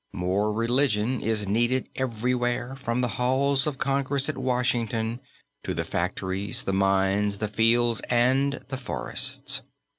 More religion is needed everywhere, from the halls of Congress at Washington, to the factories, the mines, the fields and the forests.